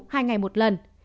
hai ngày một lần